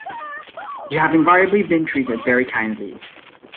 You have invariably been treated very kindly.